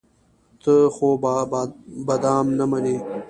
ته خو به دام نه منې.